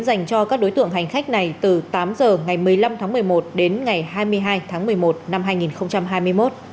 dành cho các đối tượng hành khách này từ tám giờ ngày một mươi năm tháng một mươi một đến ngày hai mươi hai tháng một mươi một năm hai nghìn hai mươi một